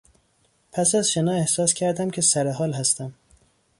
پس از شنا احساس کردم که سرحال هستم.